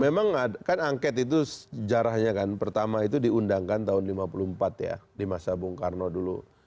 memang kan angket itu sejarahnya kan pertama itu diundangkan tahun seribu sembilan ratus lima puluh empat ya di masa bung karno dulu